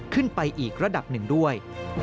ขึ้นไปอีกระดับหนึ่งด้วย